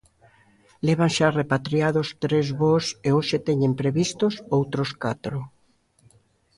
Levan xa repatriados tres voos e hoxe teñen previstos outros catro.